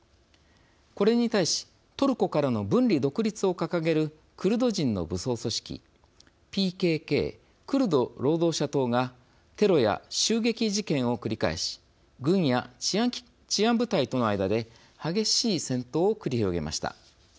これに対しトルコからの分離独立を掲げるクルド人の武装組織ＰＫＫ＝クルド労働者党がテロや襲撃事件を繰り返し軍や治安部隊との間で激しい戦闘を繰り広げました。